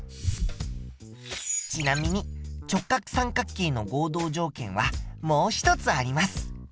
ちなみに直角三角形の合同条件はもう一つあります。